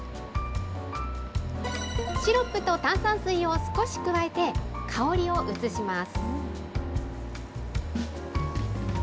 シロップと炭酸水を少し加えて、香りを移します。